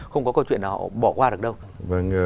không có câu chuyện họ bỏ qua được đâu